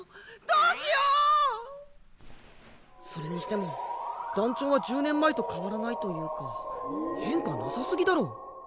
どうしよう⁉それにしても団長は１０年前と変わらないというか変化なさ過ぎだろ。